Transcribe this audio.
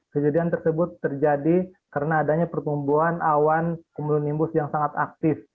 kejadian tersebut terjadi karena adanya pertumbuhan awan komulonimbus yang sangat aktif